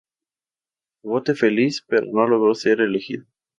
Vote Feliz, pero no logró ser elegido.